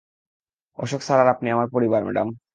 Ashok sir আর আপনি আমার পরিবার, ম্যাডাম।